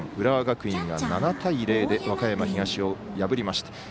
浦和学院が７対０で和歌山東を破りました。